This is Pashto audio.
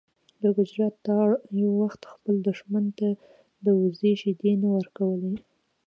د ګجرات تارړ یو وخت خپل دښمن ته د وزې شیدې نه ورکولې.